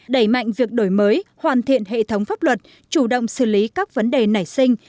đẩy mạnh việc đổi mới hoàn thiện hệ thống pháp luật chủ động xử lý các vấn đề nảy sinh